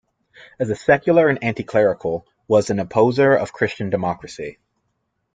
As a secular and anti-clerical, was an opposer of Christian Democracy.